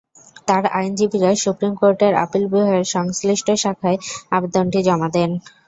তাঁর আইনজীবীরা সুপ্রিম কোর্টের আপিল বিভাগের সংশ্লিষ্ট শাখায় আবেদনটি জমা দেন।